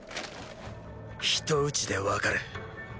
一撃ちで分かる。